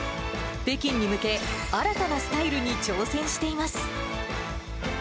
北京に向け、新たなスタイルに挑戦しています。